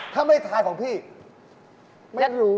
ถ้าไม่ทานของพี่ไม่รู้นะ